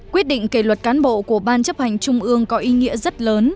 quyết định kỷ luật cán bộ của ban chấp hành trung ương có ý nghĩa rất lớn